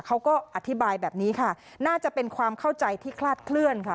เขาก็อธิบายแบบนี้ค่ะน่าจะเป็นความเข้าใจที่คลาดเคลื่อนค่ะ